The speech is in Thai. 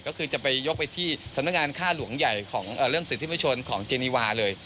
ก็คือจะไปยกไปที่สำนักงานค่าหลวงใหญ่ของเรื่องสิทธิประชนของเจนีวาเลย